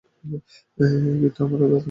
কিন্তু আমি আমার প্রতিদ্বন্দ্বীকে কীভাবে সরাই?